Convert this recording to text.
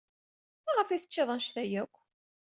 Maɣef ay teččid anect-a akk?